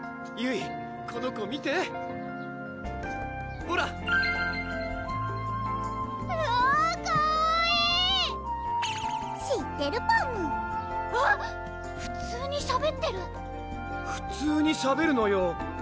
ゆいこの子見てほらうわぁかわいい知ってるパムわっ！普通にしゃべってる普通にしゃべるのよ